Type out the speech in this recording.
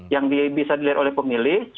yang bisa dilihat oleh pemilih